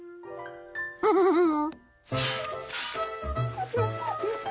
フフフフ。